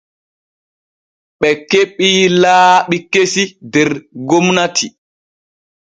Ɓe keɓii laabi kesi der gomnati.